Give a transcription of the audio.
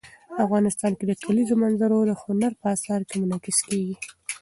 افغانستان کې د کلیزو منظره د هنر په اثار کې منعکس کېږي.